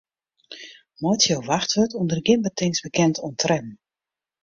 Meitsje jo wachtwurd ûnder gjin betingst bekend oan tredden.